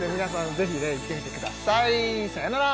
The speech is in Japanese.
ぜひ行ってみてくださいさよなら